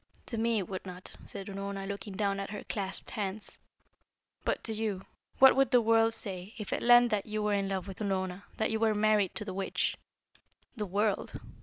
"To me, it would not," said Unorna, looking down at her clasped hands. "But to you what would the world say, if it learned that you were in love with Unorna, that you were married to the Witch?" "The world?